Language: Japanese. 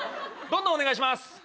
どんどんお願いします。